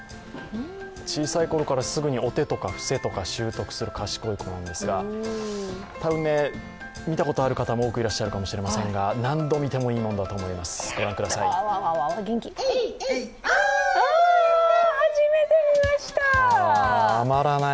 小さいころからすぐにお手とか伏せとか習得する賢い子なんですが多分ね、見たことある方も多くいらっしゃるかもしれませんが何度見てもいいものだと思います、ご覧ください。